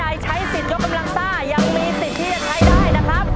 ใช้สิทธิ์ยกกำลังซ่ายังมีสิทธิ์ที่จะใช้ได้นะครับ